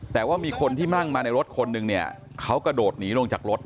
แต่ว่ามีคนที่นั่งมาในรถคนนึงเนี่ยเขากระโดดหนีลงจากรถ